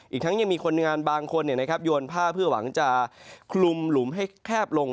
อีกทั้งยังมีคนงานบางคนโยนผ้าเพื่อหวังจะคลุมหลุมให้แคบลง